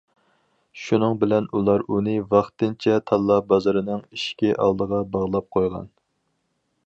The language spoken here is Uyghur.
شۇنىڭ بىلەن ئۇلار ئۇنى ۋاقتىنچە تاللا بازىرىنىڭ ئىشىكى ئالدىغا باغلاپ قويغان.